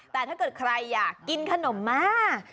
แต่ถ้าเกิดใครอยากกินขนมมาก